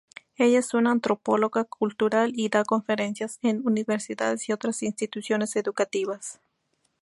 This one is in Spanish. Ella es una antropóloga cultural y da conferencias en universidades y otras instituciones educativas.